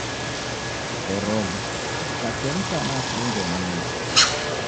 Koroga, vikachemka na kudunge munyu.